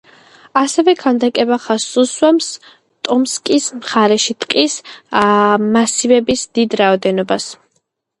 ასევე ქანდაკება ხაზს უსვამს ტომსკის მხარეში ტყის მასივების დიდ რაოდენობას.